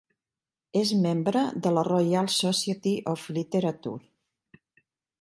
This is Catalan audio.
És membre de la Royal Society of Literature.